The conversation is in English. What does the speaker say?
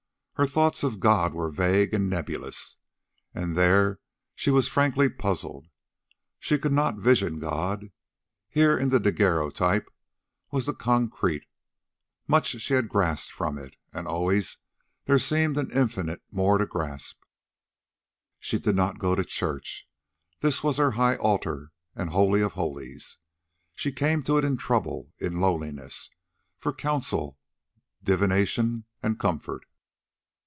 Her thoughts of God were vague and nebulous, and there she was frankly puzzled. She could not vision God. Here, in the daguerreotype, was the concrete; much she had grasped from it, and always there seemed an infinite more to grasp. She did not go to church. This was her high altar and holy of holies. She came to it in trouble, in loneliness, for counsel, divination, and comfort.